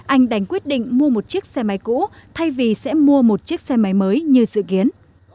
anh đành quyết định mua một chiếc xe máy cũ thay vì sẽ mua một chiếc xe máy mới như dự kiến